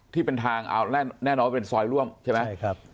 ที่เป็นทางอาวุฒิแน่นอนได้เป็นซอยร่วมใช่ไหมครับ